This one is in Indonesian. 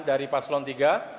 dari pak aslon iii